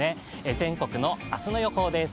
全国の明日の予報です。